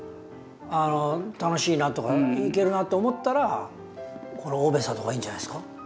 あの楽しいなとかいけるなと思ったらこのオベサとかいいんじゃないですか？